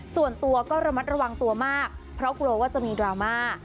ส่วนตัวก็ระมัดระวังตัวมากเพราะกลัวว่าจะมีดราม่า